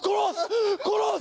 殺す！